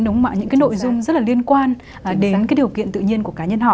những cái nội dung rất là liên quan đến cái điều kiện tự nhiên của cá nhân họ